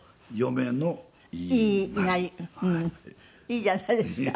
いいじゃないですか。